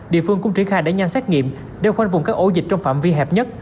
địa phương cũng triển khai đẩy nhanh xét nghiệm đeo khoanh vùng các ổ dịch trong phạm vi hẹp nhất